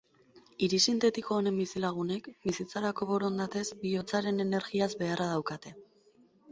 Hiri sintetiko honen bizilagunek, bizitzarako borondatez, bihotzaren energiaz beharra daukate.